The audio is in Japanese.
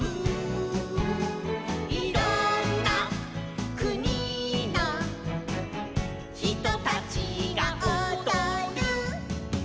「いろんなくにのひとたちがおどる」